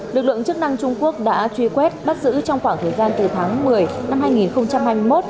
lực lượng chức năng trung quốc đã truy quét bắt giữ trong khoảng thời gian từ tháng một mươi năm hai nghìn hai mươi một